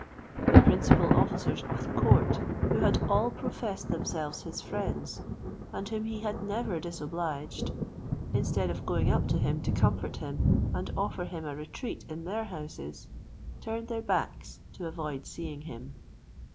The principal officers of the court, who had all professed themselves his friends, and whom he had never disobliged, instead of going up to him to comfort him, and offer him a retreat in their houses, turned their backs to avoid seeing him.